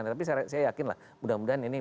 tapi saya yakinlah mudah mudahan ini